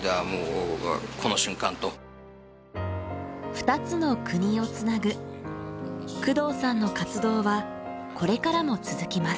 ２つの国をつなぐ工藤さんの活動はこれからも続きます